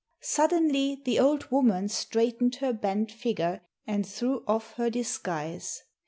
Suddenly the old woman straightened her bent figure and threw off her disguise.